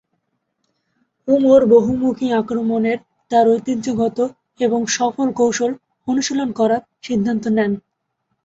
উমর বহুমুখী আক্রমণের তার ঐতিহ্যগত এবং সফল কৌশল অনুশীলন করার সিদ্ধান্ত নেন।